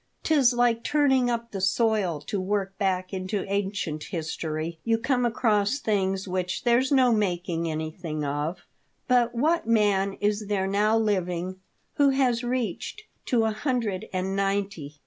" 'Tis like turning up the soil to work back into ancient history ; you come across things which there's no making anything of." " But what man is there now living who has reached to a hundred and ninety